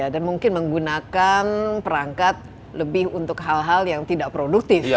dan mungkin menggunakan perangkat lebih untuk hal hal yang tidak produktif